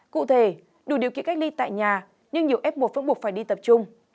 cụ thể đủ điều kiện cách ly tại nhà nhưng nhiều f một vẫn buộc phải đi tập trung